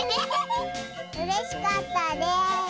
うれしかったです。